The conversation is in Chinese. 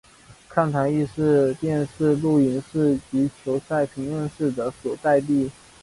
看台亦是电视录影室及球赛评述室的所在地。